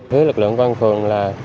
thứ lực lượng văn phường là